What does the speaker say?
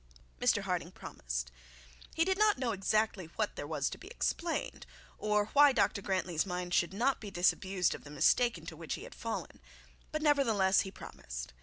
Mr Harding promised. He did not exactly know what there was to be explained, or why Dr Grantly's mind should not be disabused of the mistake into which he had fallen; but nevertheless he promised.